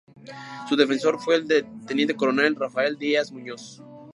Su defensor fue el teniente coronel Rafael Díaz Muñoz.